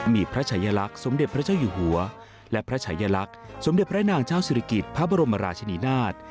มีพระชายลักษณ์สมเด็จพระเจ้าอยู่หัวและพระชายลักษณ์สมเด็จพระนางเจ้าศิริกิจพระบรมราชนีนาฏ